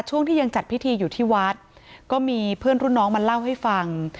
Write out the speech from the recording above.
ช่วงที่ยังจัดพิธีอยู่ที่วัดก็มีเพื่อนรุ่นน้องมาเล่าให้ฟัง